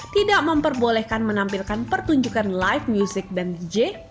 tidak memperbolehkan menampilkan pertunjukan live music dan dj